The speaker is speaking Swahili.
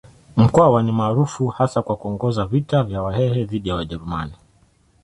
Mkwawa ni maarufu hasa kwa kuongoza vita vya Wahehe dhidi ya Wajerumani.